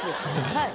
はい。